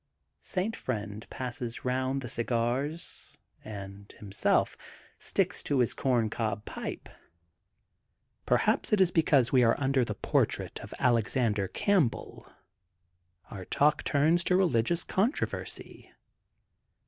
'' St. Friend passes round the cigars and, himself, sticks to his corncob pipe. Perhaps it is because we are xmder the portrait of Alexander Campbell our talk turns to religious controversy.